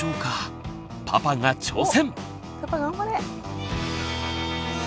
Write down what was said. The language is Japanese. パパが挑戦！